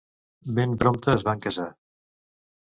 Ben prompte es van casar.